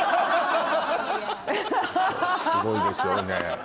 すごいでしょねっ。